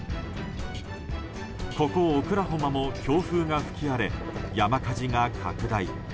ここ、オクラホマも強風が吹き荒れ山火事が拡大。